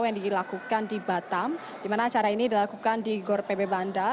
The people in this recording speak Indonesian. yang dilakukan di batam di mana acara ini dilakukan di gor pb bandar